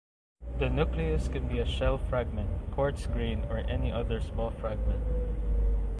The nucleus can be a shell fragment, quartz grain or any other small fragment.